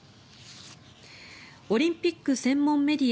オリンピック専門メディア